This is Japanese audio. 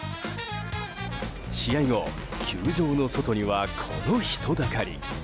試合後、球場の外にはこの人だかり。